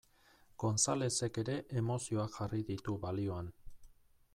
Gonzalezek ere emozioak jarri ditu balioan.